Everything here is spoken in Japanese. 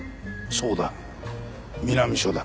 そうだ南署だ。